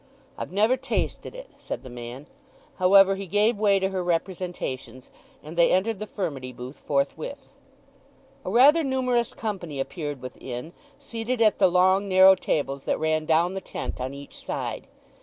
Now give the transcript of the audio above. "I've never tasted it," said the man. However, he gave way to her representations, and they entered the furmity booth forthwith. A rather numerous company appeared within, seated at the long narrow tables that ran down the tent on each side.